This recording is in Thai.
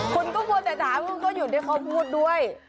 คุณก็ควรจะถามคุณก็อยู่ที่เขาพูดด้วย